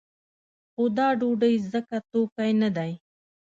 خو دا ډوډۍ ځکه توکی نه دی.